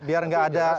biar enggak ada